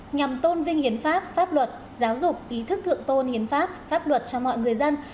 nhằm tôn vinh hiến pháp pháp luật giáo dục ý thức thượng tôn hiến pháp pháp luật cho mọi người dân